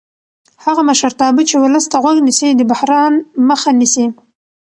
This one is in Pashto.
هغه مشرتابه چې ولس ته غوږ نیسي د بحران مخه نیسي